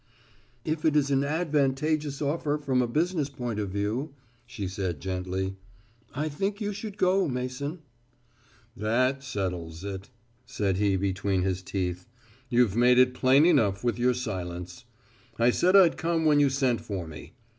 "If it is an advantageous offer from a business point of view," she said gently, "I think you should go, Mason." "That settles it," said he between his teeth. "You'd made it plain enough with your silence. I said I'd come when you sent for me.